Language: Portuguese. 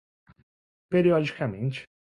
periodicamente